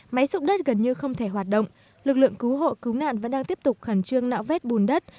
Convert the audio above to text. máy xúc đất gần như không thể hoạt động lực lượng cứu hộ cứu nạn vẫn đang tiếp tục khẩn trương nạo vét bùn đất